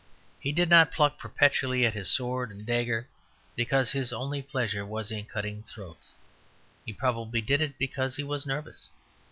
He did not pluck perpetually at his sword and dagger because his only pleasure was in cutting throats; he probably did it because he was nervous.